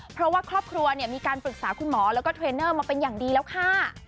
เพราะว่าครอบครัวมีการปรึกษาคุณหมอแล้วก็เทรนเนอร์มาเป็นอย่างดีแล้วค่ะ